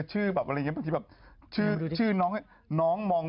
คือบางทีก็ดร้อนกลับมานึกถึงตัวเอง